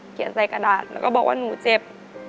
ใส่กระดาษแล้วก็บอกว่าหนูเจ็บ